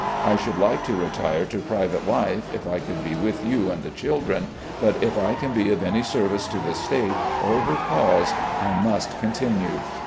I should like to retire to private life, if I could be with you and the children, but if I can be of any service to the State or her cause I must continue.